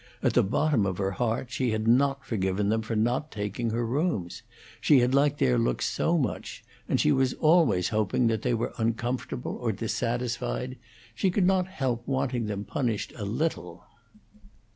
At the bottom of her heart she had not forgiven them for not taking her rooms; she had liked their looks so much; and she was always hoping that they were uncomfortable or dissatisfied; she could not help wanting them punished a little.